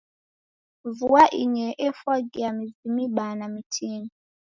Vua inyee efwagia mizi mibaa na mitini.